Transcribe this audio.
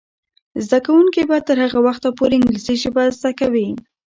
زده کوونکې به تر هغه وخته پورې انګلیسي ژبه زده کوي.